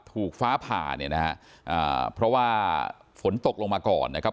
ฟ้าผ่าเนี่ยนะฮะอ่าเพราะว่าฝนตกลงมาก่อนนะครับ